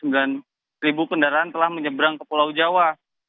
dan ribu kendaraan telah menyebrang ke pulau jawa